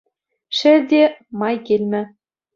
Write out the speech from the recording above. Шел те, май килмӗ.